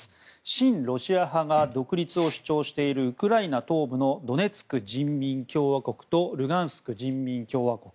親ロシア派が独立を主張しているウクライナ東部のドネツク人民共和国とルガンスク人民共和国。